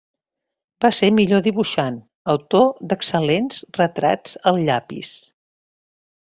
Va ser millor dibuixant, autor d'excel·lents retrats al llapis.